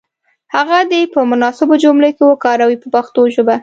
هغه دې په مناسبو جملو کې وکاروي په پښتو ژبه.